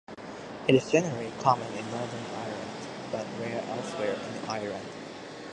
It is generally common in Northern Ireland, but rare elsewhere in Ireland.